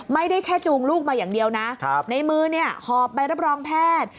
ไม่ได้แค่จูงลูกมาอย่างเดียวนะในมือเนี่ยหอบใบรับรองแพทย์